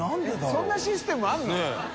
そんなシステムあるの？ねぇ。